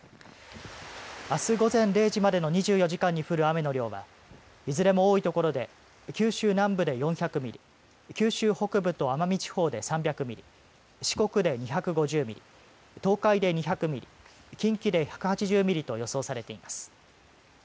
あす午前０時までの２４時間に降る雨の量はいずれも多いところで九州南部で４００ミリ九州北部と奄美地方で３００ミリ、四国で２５０ミリ、東海で２００ミリ、近畿で１８０ミリと予想されています。